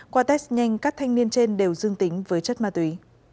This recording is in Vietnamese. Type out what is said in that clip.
qua test nhanh các thanh niên trên đều dương tính với chất ma túy